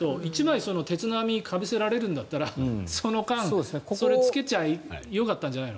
１枚、鉄の網をかぶせられるんだったらその間、それをつけちゃえばよかったんじゃないの？